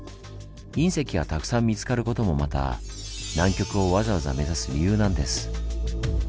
隕石がたくさん見つかることもまた南極をわざわざ目指す理由なんです。